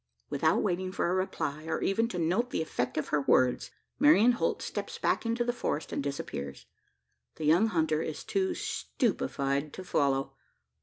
Without waiting for a reply, or even to note the effect of her words, Marian Holt steps back into the forest, and disappears. The young hunter is too stupefied to follow.